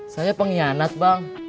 saya pengkhianat bang